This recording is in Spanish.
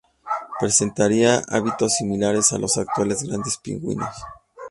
Presentaría hábitos similares a los actuales grandes pingüinos.